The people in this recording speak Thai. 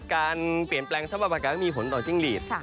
การเปลี่ยนแปลงสภาพอากาศก็มีผลต่อจิ้งหลีด